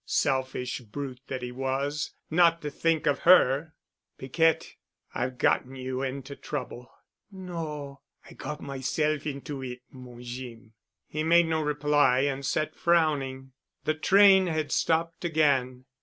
Selfish brute that he was, not to think of her! "Piquette! I have gotten you into trouble." "No. I got myself into it, mon Jeem." He made no reply—and sat frowning. The train had stopped again.